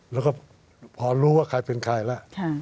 แล้วก็พอรู้ว่าใครเป็นใครแล้ว